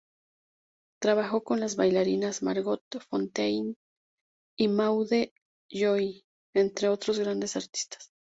Trabajó con las bailarinas Margot Fonteyn y Maude Lloyd entre otros grandes artistas.